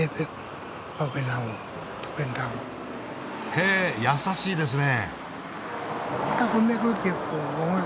へえ優しいですね。